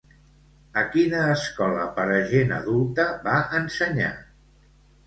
A quina escola per a gent adulta va ensenyar?